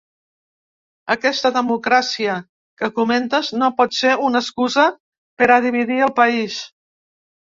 Aquesta ‘democràcia’ que comentes no pot ser una excusa per a dividir el país.